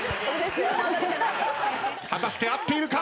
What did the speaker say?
果たして合っているか？